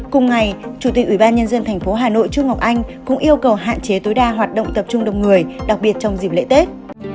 cùng ngày chủ tịch ủy ban nhân dân tp hà nội trung ngọc anh cũng yêu cầu hạn chế tối đa hoạt động tập trung đông người đặc biệt trong dịp lễ tết